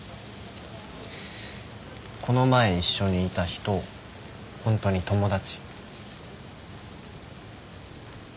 この前一緒にいた人ホントに友達？